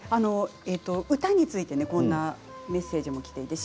歌についてこんなメッセージもきています